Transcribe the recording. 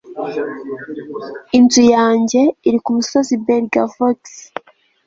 Inzu yanjye iri ku musozi belgavox